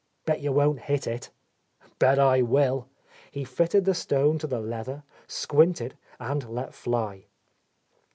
. "Bet you won't hit it 1" "Bet I will !" He fitted the stone to the „ leather, squinted, and let fly.